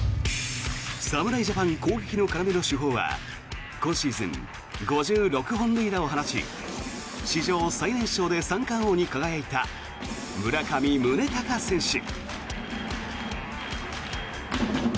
侍ジャパン攻撃の要の主砲は今シーズン５６本塁打を放ち史上最年少で三冠王に輝いた村上宗隆選手。